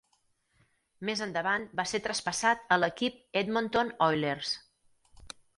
Més endavant va ser traspassat a l'equip Edmonton Oilers.